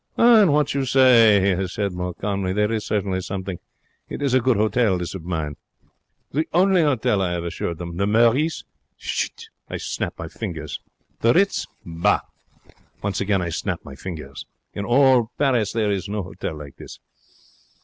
'In what you say,' he has said, more calmly, 'there is certainly something. It is a good hotel, this of mine!' The only hotel, I have assured him. The Meurice? Chut! I snap my fingers. The Ritz? Bah! Once again I snap my fingers. 'In all Paris there is no hotel like this.'